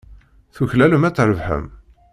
Tuklalem ad trebḥem.